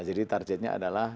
jadi targetnya adalah